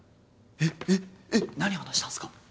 えっえっえっ何話したんすか？